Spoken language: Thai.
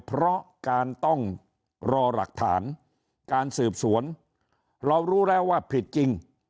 เพราะการต้องรอหลักฐานการสืบสวนเรารู้แล้วว่าผิดจริง